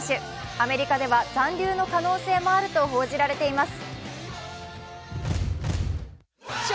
アメリカでは残留の可能性もあると報じられています。